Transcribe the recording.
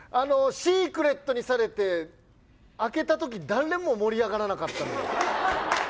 シークレットにされて、開けたとき誰も盛り上がらなかったの。